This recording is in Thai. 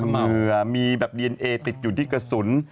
เหมือมีแบบดีเอนเอติดอยู่ที่กระสุน